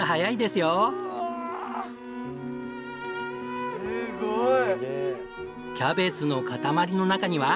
すごい！